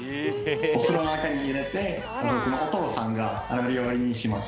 お風呂の中に入れて家族のお父さんがお料理します。